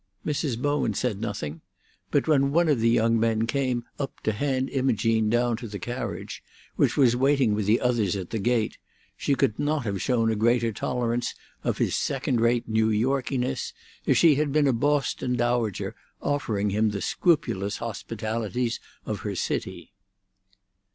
Mrs. Bowen said nothing, but when one of the young men came up to hand Imogene down to the carriage, which was waiting with the others at the gate, she could not have shown a greater tolerance of his second rate New Yorkiness if she had been a Boston dowager offering him the scrupulous hospitalities of her city.